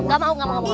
gak mau gak mau